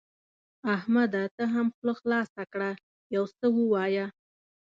احمده ته هم خوله خلاصه کړه؛ يو څه ووايه.